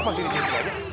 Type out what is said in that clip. masuk masuk aja